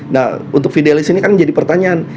nah untuk fidelis ini kan jadi pertanyaan